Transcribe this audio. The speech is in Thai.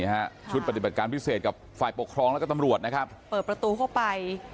ฮะชุดปฏิบัติการพิเศษกับฝ่ายปกครองแล้วก็ตำรวจนะครับเปิดประตูเข้าไป